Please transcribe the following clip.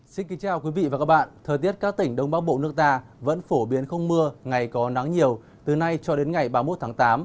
xin kính chào quý vị và các bạn thời tiết các tỉnh đông bắc bộ nước ta vẫn phổ biến không mưa ngày có nắng nhiều từ nay cho đến ngày ba mươi một tháng tám